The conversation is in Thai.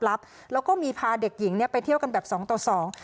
รับแล้วก็มีพาเด็กหญิงเนี้ยไปเที่ยวกันแบบสองต่อสอง